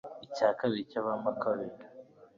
icya kabiri cy'abamakabe ,